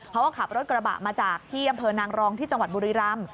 เขาก็ขับรถกระบะมาจากที่อำเภอนางรองที่จังหวัดบุรีรำ